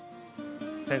先生